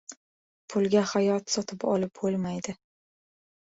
• Pulga hayot sotib olib bo‘lmaydi.